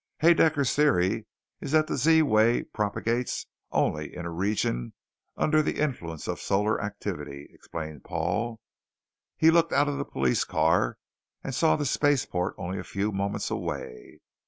"Haedaecker's Theory is that the Z wave propagates only in a region under the influence of solar activity," explained Paul. He looked out of the police car and saw the spaceport only a few moments away.